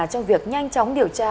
trong việc nhanh chóng điều tra